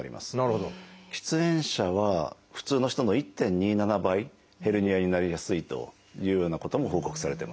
喫煙者は普通の人の１．２７倍ヘルニアになりやすいというようなことも報告されてます。